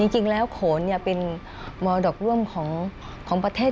จริงแล้วโขนเป็นมรดกร่วมของประเทศ